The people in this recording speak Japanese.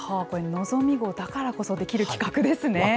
これ、のぞみ号だからこそできる企画ですね。